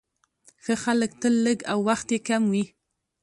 ښه خلک تل لږ او وخت يې کم وي،